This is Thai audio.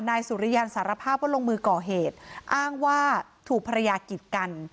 นายสุริยันสารภาพว่าลงมือก่อเหตุอ้างว่าถูกภรรยากิดกัน